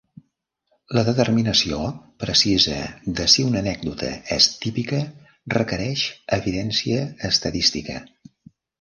La determinació precisa de si una anècdota és "típica" requereix evidència estadística.